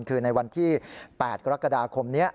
คือในวันที่๘กรกฎาคมนี้